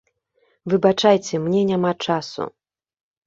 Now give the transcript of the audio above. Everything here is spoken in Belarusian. Выбачайце, мне няма часу.